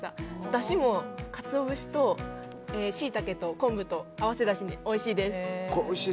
だしもカツオ節とシイタケと昆布で合わせだしで、おいしいです。